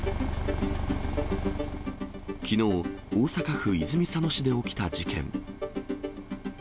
きのう、大阪府泉佐野市で起きた事件。